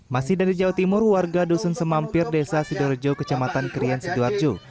masih dari jawa timur warga dusun semampir desa sidorejo kecamatan krian sidoarjo